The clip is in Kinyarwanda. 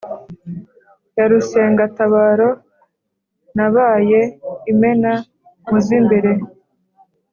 Ya Rusengatabaro nabaye imena mu z’ imbere,